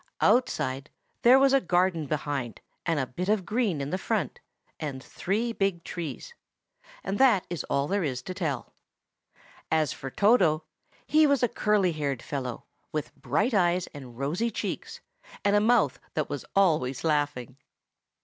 Outside there was a garden behind and a bit of green in front, and three big trees; and that is all there is to tell. As for Toto, he was a curly haired fellow, with bright eyes and rosy cheeks, and a mouth that was always laughing.